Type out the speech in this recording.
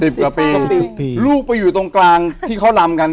กว่าปีสิบปีลูกไปอยู่ตรงกลางที่เขารำกัน